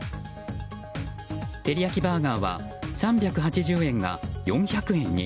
テリヤキバーガーは３８０円が４００円に。